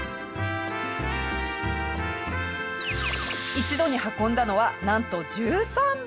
一度に運んだのはなんと１３杯！